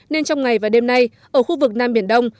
nên trong ngày và đêm nay ở khu vực nam biển đông